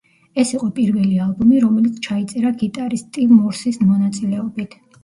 ეს იყო პირველი ალბომი, რომელიც ჩაიწერა გიტარისტ სტივ მორსის მონაწილეობით.